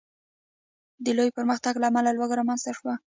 د لوی پرمختګ له امله لوږه رامنځته شوه.